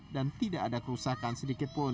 dan tidak ada kerusakan sedikit pun